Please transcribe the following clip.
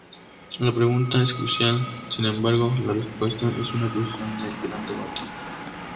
La pregunta es crucial, sin embargo, la respuesta es una cuestión de gran debate.